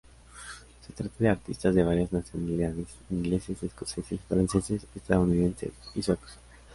Se trata de artistas de varias nacionalidades: ingleses, escoceses, franceses, estadounidenses y suecos.